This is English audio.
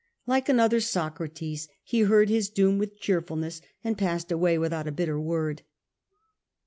Like another Socrates he heard his doom with cheerfulness, and passed away without a bitter word.